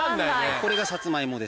これがサツマイモですね。